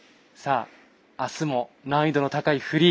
あすも難易度の高いフリー。